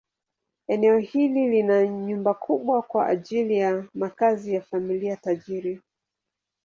Eneo hili lina nyumba kubwa kwa ajili ya makazi ya familia tajiri.